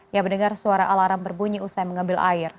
yang mendengar suara alarm berbunyi usai mengambil air